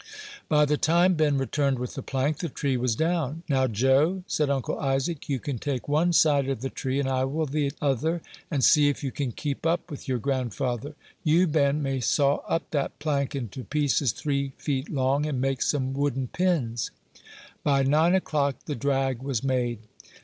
By the time Ben returned with the plank the tree was down. "Now, Joe," said Uncle Isaac, "you can take one side of the tree, and I will the other, and see if you can keep up with your grandfather. You, Ben, may saw up that plank into pieces three feet long, and make some wooden pins." By nine o'clock the drag was made.